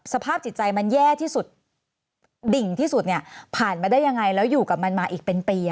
สภาพจิตใจมันแย่ที่สุดดิ่งที่สุดเนี่ยผ่านมาได้ยังไงแล้วอยู่กับมันมาอีกเป็นปี